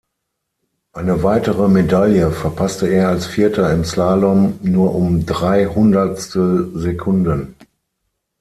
Eine weitere Medaille verpasste er als Vierter im Slalom nur um drei Hundertstelsekunden.